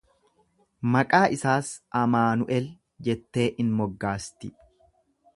Maqaa isaas Amaanu'el jettee in moggaasti.